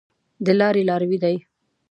د لاري لاروی دی .